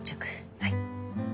はい。